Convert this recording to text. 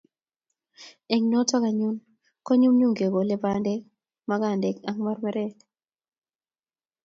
Eng' notok anyun ko nyumnyum kekole bandek magandek ak marmarek